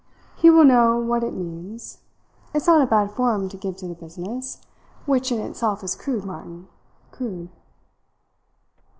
He will know what it means. It's not a bad form to give to the business which in itself is crude, Martin, crude."